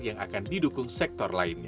yang akan didukung sektor lainnya